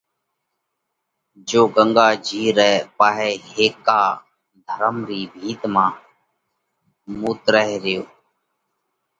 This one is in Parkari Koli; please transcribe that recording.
جيو ڳنڳا جِي رئہ پاهئہ هيڪا ڌوم رِي ڀِت مانه مُوترئه ريو۔